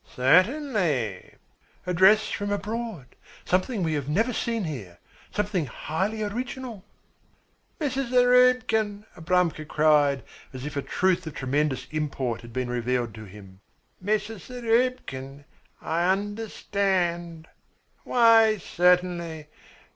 "Certainly!" "A dress from abroad, something we have never seen here something highly original." "Mrs. Zarubkin!" Abramka cried, as if a truth of tremendous import had been revealed to him. "Mrs. Zarubkin, I understand. Why certainly!